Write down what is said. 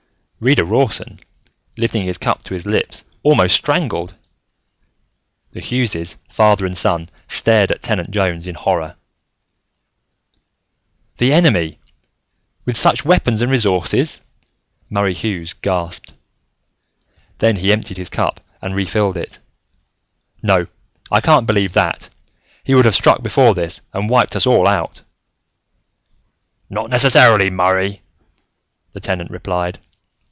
Reader Rawson, lifting his cup to his lips, almost strangled. The Hugheses, father and son stared at Tenant Jones in horror. "The Enemy with such weapons and resources!" Murray Hughes gasped. Then he emptied his cup and refilled it. "No! I can't believe that: he would have struck before this and wiped us all out!" "Not necessarily, Murray," the Tenant replied.